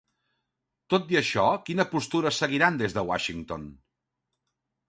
Tot i això, quina postura seguiran des de Washington?